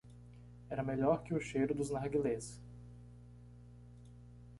Era melhor que o cheiro dos narguilés.